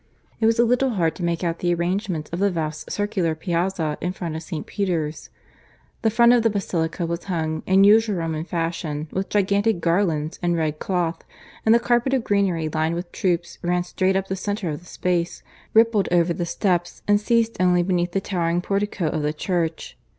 It was a little hard to make out the arrangements of the vast circular piazza in front of St. Peter's. The front of the basilica was hung, in usual Roman fashion, with gigantic garlands and red cloth; and the carpet of greenery lined with troops ran straight up the centre of the space, rippled over the steps, and ceased only beneath the towering portico of the church.